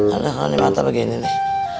aduh aneh mata begini nih